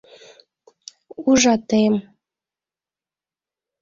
— Ужатем.